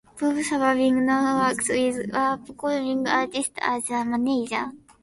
Bob Savenberg now works with upcoming artists as a manager.